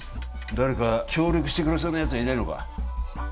誰か協力してくれそうなやつはいないのか？